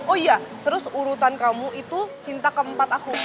oh iya terus urutan kamu itu cinta keempat aku